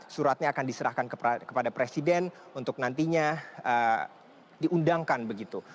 suratnya akan diserahkan kepada presiden untuk nantinya diundangkan begitu